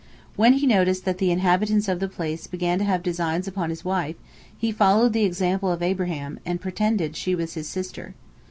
When he noticed that the inhabitants of the place began to have designs upon his wife, he followed the example of Abraham, and pretended she was his sister.